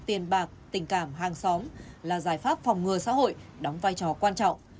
tiền bạc tình cảm hàng xóm là giải pháp phòng ngừa xã hội đóng vai trò quan trọng